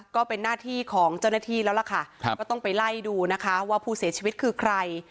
ก็เป็นหน้าที่ของเจ้าหน้าที่แล้วล่ะค่ะก็ต้องไปไล่ดูนะคะว่าผู้เสียชีวิตคือใคร